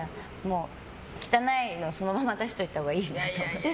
汚いのそのまま出しておいたほうがいいと思って。